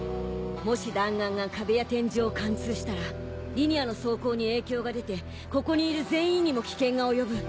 もし弾丸が壁や天井を貫通したらリニアの走行に影響が出てここにいる全員にも危険が及ぶ。